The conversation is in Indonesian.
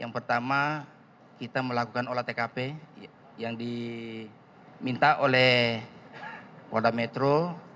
yang pertama kita melakukan olah tkp yang diminta oleh polda metro